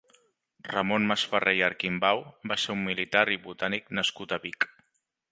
Ramon Masferrer i Arquimbau va ser un militar i botànic nascut a Vic.